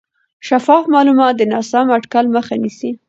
شفاف معلومات د ناسم اټکل مخه نیسي.